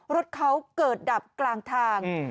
รถเขาเกิดดับกลางทาง